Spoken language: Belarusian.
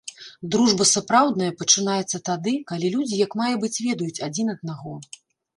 Дружба сапраўдная пачынаецца тады, калі людзі як мае быць ведаюць адзін аднаго.